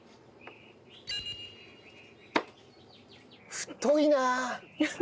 太いな。